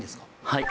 はい